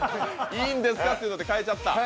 いいんですかっていうので変えちゃった。